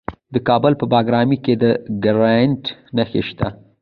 د کابل په بګرامي کې د ګرانیټ نښې شته.